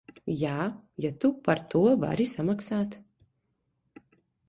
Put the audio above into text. Jā, ja tu par to vari samaksāt.